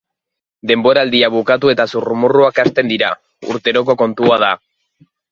Denboraldia bukatu eta zurrumurruak hasten dira, urteroko kontua da.